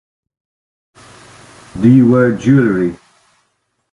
Do you wear jewelry?